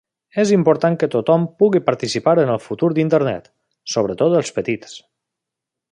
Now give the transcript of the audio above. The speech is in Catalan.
És important que tothom pugui participar en el futur d'internet, sobretot els petits.